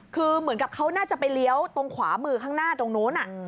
คือเหมือนกับเขาน่าจะไปเลี้ยวตรงขวามือข้างหน้าตรงนู้น